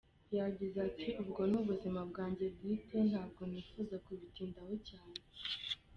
Yagize ati “Ubwo ni ubuzima bwanjye bwite, ntabwo nifuza kubitindaho cyane.